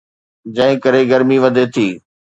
جنهن ڪري گرمي وڌي ٿي.